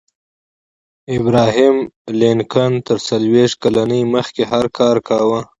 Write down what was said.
ابراهم لينکن تر څلوېښت کلنۍ مخکې هر کار کاوه.